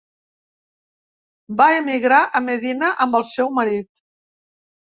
Va emigrar a Medina amb el seu marit.